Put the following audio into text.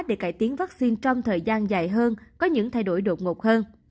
để cải tiến vaccine trong thời gian dài hơn có những thay đổi đột ngột hơn